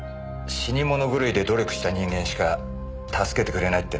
死に物狂いで努力した人間しか助けてくれない」ってな。